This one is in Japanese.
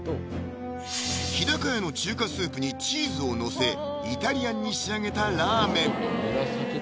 日高屋の中華スープにチーズをのせイタリアンに仕上げたラーメン